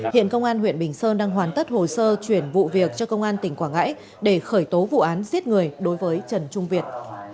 hiện công an huyện bình sơn đang hoàn tất hồ sơ chuyển vụ việc cho công an tỉnh quảng ngãi để khởi tố vụ án giết người đối với trần trung việt